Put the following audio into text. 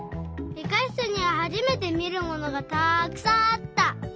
りかしつにははじめてみるものがたくさんあった。